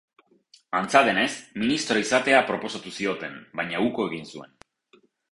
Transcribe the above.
Antza denez, ministro izatea proposatu zioten, baina uko egin zuen.